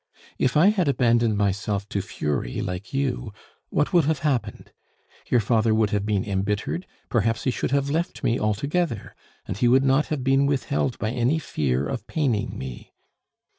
If I had abandoned myself to fury like you, what would have happened? Your father would have been embittered, perhaps he would have left me altogether, and he would not have been withheld by any fear of paining me.